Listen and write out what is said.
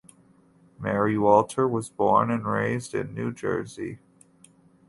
Mary Walter was born and raised in New Jersey.